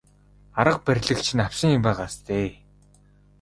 Арга барилыг чинь авсан юм байгаа биз дээ.